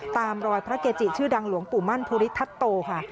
ตามรอยพระเกจิชื่อดังหลวงปู่มั่นภูริทัศโตค่ะ